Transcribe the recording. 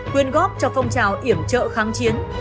quyên góp cho phong trào iểm trợ kháng chiến